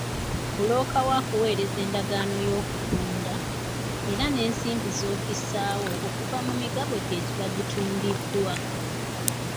Bbulooka wo akuweereza endagaano y'okutunda, eraga ensimbi z'ofissaawo okuva mu migabo gyo egiba gitundiddwa.